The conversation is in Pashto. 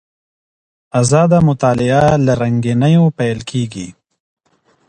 ازاده مطالعه له رنګينيو پيل کېږي.